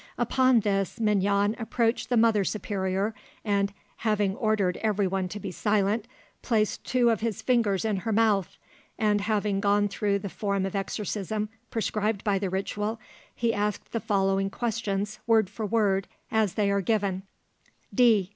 Upon this, Mignon approached the mother superior, and, having ordered everyone to be silent, placed two of his fingers in her mouth, and, having gone through the form of exorcism prescribed by the ritual, he asked the following questions word for word as they are given, D.